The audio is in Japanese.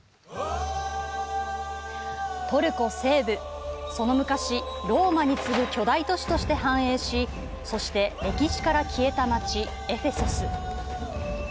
トルコ西部、その昔、ローマに次ぐ巨大都市として繁栄し、そして歴史から消えた街エフェソス。